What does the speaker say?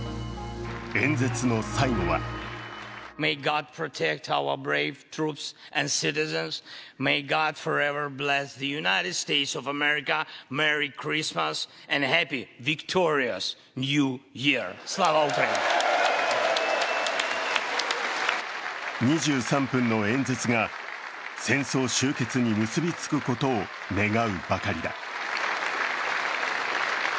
演説の最後は２３分の演説が戦争終結に結び付くことを願うばかりだ。